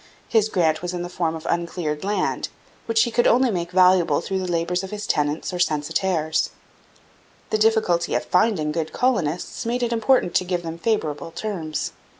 His grant was in the form of uncleared land, which he could only make valuable through the labours of his tenants or censitaires. The difficulty of finding good colonists made it important to give them favourable terms.